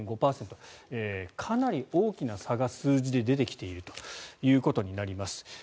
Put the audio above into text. かなり大きな差が数字で出てきていることになります。